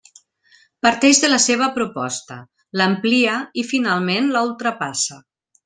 Parteix de la seva proposta, l'amplia i finalment la ultrapassa.